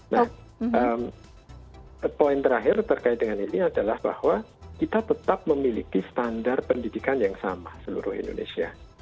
nah poin terakhir terkait dengan ini adalah bahwa kita tetap memiliki standar pendidikan yang sama seluruh indonesia